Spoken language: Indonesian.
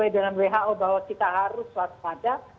dengan who bahwa kita harus swast pada